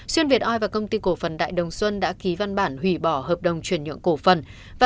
xuyên việt oi và công ty cổ phần đại đồng xuân đã ký văn bản hủy bỏ hợp đồng chuyển nhượng cổ phần